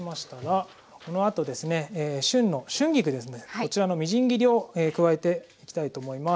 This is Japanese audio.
こちらのみじん切りを加えていきたいと思います。